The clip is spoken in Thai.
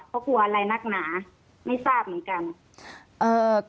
เขากลัวอะไรนักหนาไม่ทราบเหมือนกันเอ่อ